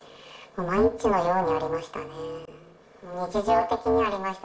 毎日のようにありましたね。